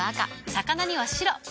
魚には白。